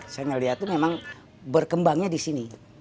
saya melihat itu memang berkembangnya di sini